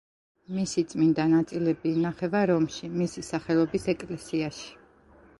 მისი წმინდა ნაწილები ინახება რომში მისი სახელობის ეკლესიაში.